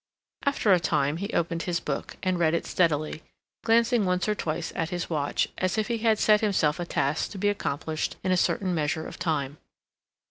After a time he opened his book, and read on steadily, glancing once or twice at his watch, as if he had set himself a task to be accomplished in a certain measure of time.